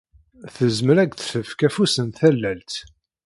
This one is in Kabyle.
Tezmer ad k-d-tefk afus n tallalt.